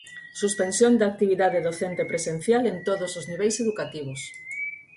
Suspensión da actividade docente presencial en todos os niveis educativos.